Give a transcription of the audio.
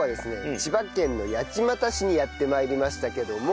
千葉県の八街市にやって参りましたけども。